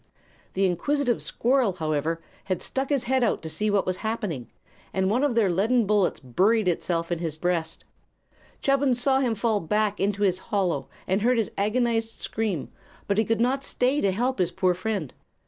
The inquisitive squirrel, however, had stuck his head out to see what was happening, and one of the leaden bullets buried itself in his breast. Chubbins saw him fall back into his hollow and heard his agonized scream; but he could not stay to help his poor friend.